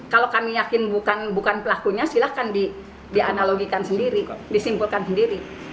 kalau kami yakin bukan pelakunya silahkan dianalogikan sendiri disimpulkan sendiri